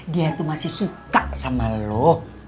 dia itu masih suka sama lo